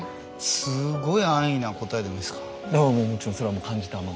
すごい安易な答えでもいいですか？